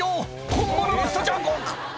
本物の人じゃん！」